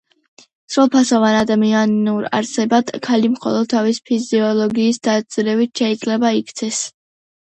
სრულფასოვან ადამიანურ არსებად ქალი მხოლოდ თავისი ფიზიოლოგიის დაძლევით შეიძლება იქცეს.